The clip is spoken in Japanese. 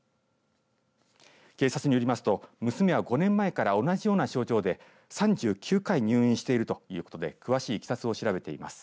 警察によりますと娘は５年前から同じような症状で３９回入院しているということで詳しいいきさつを調べています。